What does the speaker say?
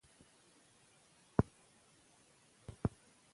ماشومان د لوبو له لارې خپل شخصيت جوړوي.